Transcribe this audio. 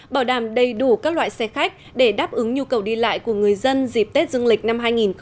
bảo đảm đầy đủ các loại xe khách để đáp ứng nhu cầu đi lại của người dân dịp tết dương lịch năm hai nghìn hai mươi